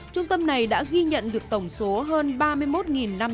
trung tâm này đã ghi nhận các lượng máy tính việt nam và các lượng máy tính việt nam